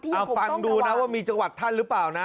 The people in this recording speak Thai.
ที่อย่างคงต้องระวังเอาฟังดูนะว่ามีจังหวัดท่านหรือเปล่า